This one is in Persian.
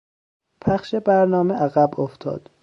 پخش برنامه عقب افتاد.